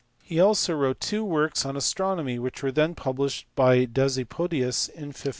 He also wrote two works on astronomy which were published by Dasypodius in 1572.